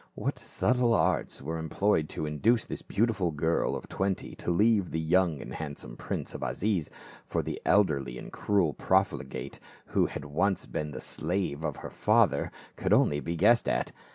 What subtle arts were employed to induce this beautiful girl of twenty to leave the young and handsome prince of Aziz for the elderly and cruel profligate who had once been the slave of her father, could only be guessed at.